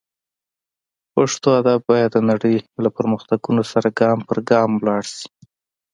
پښتو ادب باید د نړۍ له پرمختګونو سره ګام پر ګام لاړ شي